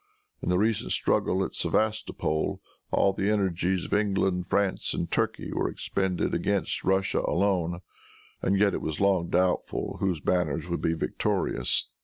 In the recent struggle at Sevastopol all the energies of England, France and Turkey were expended against Russia alone, and yet it was long doubtful whose banners would be victorious.